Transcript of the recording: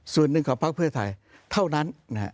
ส่วนหนึ่งของพักเพื่อไทยเท่านั้น